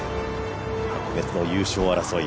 白熱の優勝争い